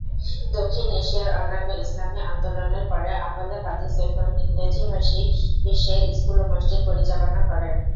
দক্ষিণ এশিয়ার অন্যান্য ইসলামী আন্দোলনের পরে, আহলে হাদীস এখন ইংরেজি-ভাষী বিশ্বে স্কুল ও মসজিদ পরিচালনা করে।